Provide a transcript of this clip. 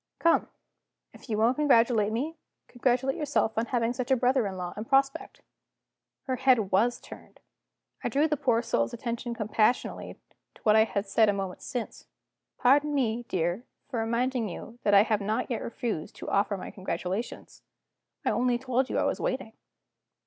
Come! if you won't congratulate me, congratulate yourself on having such a brother in law in prospect!" Her head was turned. I drew the poor soul's attention compassionately to what I had said a moment since. "Pardon me, dear, for reminding you that I have not yet refused to offer my congratulations. I only told you I was waiting."